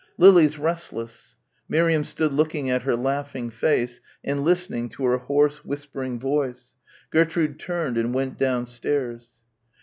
Lily's restless." Miriam stood looking at her laughing face and listening to her hoarse, whispering voice. Gertrude turned and went downstairs.